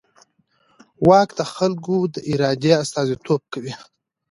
واک د خلکو د ارادې استازیتوب کوي.